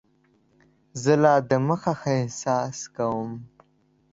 زه لا دمخه ښه احساس کوم.